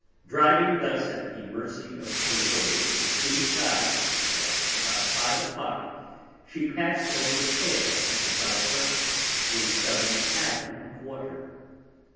Driving thus at the Mercy of the Waves, it pleased God, that about five a Clock she passed over the tail of the Galloper in seven Fathom of Water.